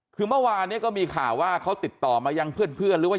คือเมื่อวานเนี่ยก็มีข่าวว่าเขาติดต่อมายังเพื่อนหรือว่า